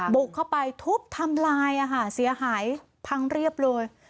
บุกเข้าไปทุบทำลายเสียหายพังเรียบเลย